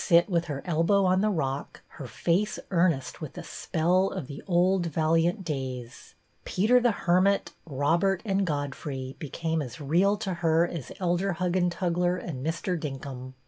202 BETTY BAIRD with her elbow on the rock, her face earnest with the spell of the old valiant days. Peter the Hermit, Robert, and Godfrey, became as real to her as Elder Huggentugler and Mr. Dinkum.